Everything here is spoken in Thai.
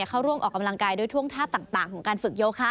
เข้าร่วมออกกำลังกายด้วยท่วงท่าต่างของการฝึกโยคะ